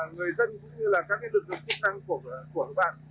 người dân cũng như là các lực lượng chức năng của các bạn